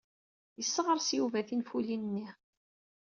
Yesseɣres Yuba tinfulin-nni.